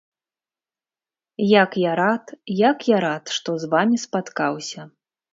Як я рад, як я рад, што з вамі спаткаўся.